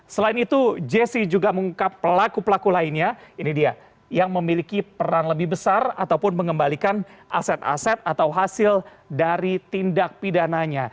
selain itu jesse juga mengungkap pelaku pelaku lainnya ini dia yang memiliki peran lebih besar ataupun mengembalikan aset aset atau hasil dari tindak pidananya